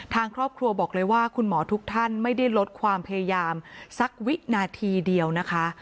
ทางครอบครัวบอกเลยว่าคุณหมอทุกท่านไม่ได้ลดความพยายามสักวินาทีเดียวนะคะ